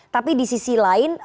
tapi di sisi lain